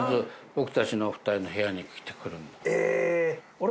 あれ？